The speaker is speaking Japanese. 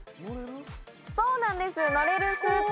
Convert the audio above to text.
そうなんです。